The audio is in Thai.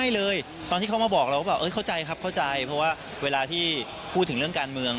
ไม่เลยตอนที่เขามาบอกเราก็แบบเข้าใจครับเข้าใจเพราะว่าเวลาที่พูดถึงเรื่องการเมือง